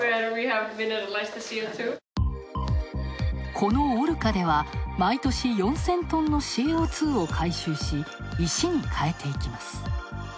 このオルカでは、毎年４０００トンのＣＯ２を回収し石に変えていきます。